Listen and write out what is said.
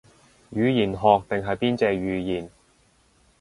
語言學定係邊隻語言